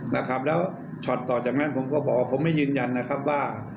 นะครับแล้วช็อตต่อจากนั้นผมก็บอกว่าผมไม่ยืนยันนะครับว่า